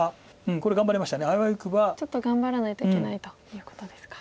ちょっと頑張らないといけないということですか。